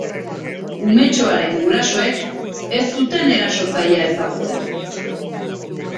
Umetxoaren gurasoek ez zuten erasotzailea ezagutzen.